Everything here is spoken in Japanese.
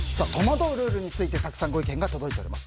戸惑うルールについてたくさんご意見届いています。